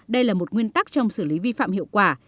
đây là một nguyên tắc trong xử lý vi phạm hiệu quả